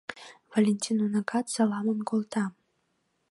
Валентин уныкат саламым колта».